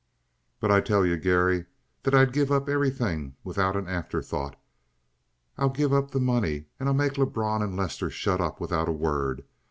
"But I tell you, Garry, that I'd give up everything without an afterthought. I'll give up the money and I'll make Lebrun and Lester shut up without a word.